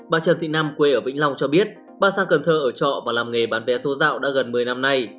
bà trần thị nam quê ở vĩnh long cho biết bà sang cần thơ ở trọ và làm nghề bán vé số dạo đã gần một mươi năm nay